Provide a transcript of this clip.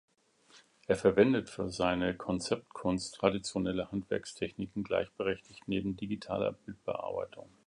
Er verwendet für seine Konzeptkunst traditionelle Handwerkstechniken gleichberechtigt neben digitaler Bildbearbeitung.